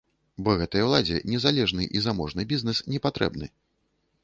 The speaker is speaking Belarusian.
Бо гэтай уладзе незалежны і заможны бізнэс не патрэбны.